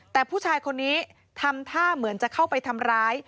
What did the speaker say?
แต่ผู้ชายคนนี้ทำท่าเหมือนจะเข้าไปทำร้าย